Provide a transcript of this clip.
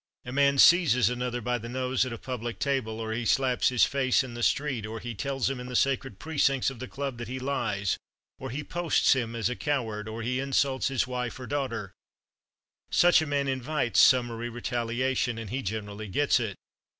A man seizes another by the nose at a public table, or he slaps his face in the street, or he tells him in the sacred precincts of the club that he lies, or he posts him as a coward, or he insults his wife or daughter such a man invites summary retaliation, and he generally gets it.